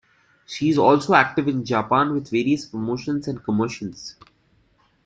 She is also active in Japan with various promotions and commercials.